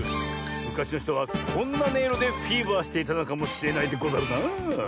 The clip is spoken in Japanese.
むかしのひとはこんなねいろでフィーバーしていたのかもしれないでござるなあ。